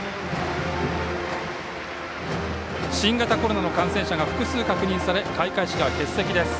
新型コロナの感染者が複数確認され開会式は欠席です。